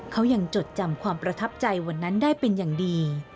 เขายังจดจำความประทับใจวันนั้นได้เป็นอย่างดี